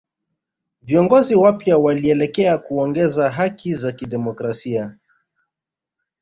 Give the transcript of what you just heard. Viongozi wapya walielekea kuongeza haki za kidemokrasia